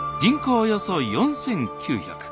およそ４，９００。